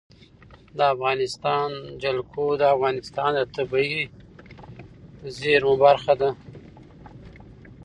د افغانستان جلکو د افغانستان د طبیعي زیرمو برخه ده.